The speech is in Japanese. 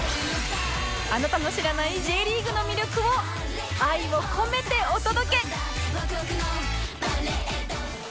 あなたの知らない Ｊ リーグの魅力を愛を込めてお届け！